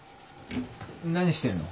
何してんの？